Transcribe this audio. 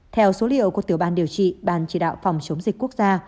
theo số liệu của tiểu ban điều trị ban chỉ đạo phòng chống dịch quốc gia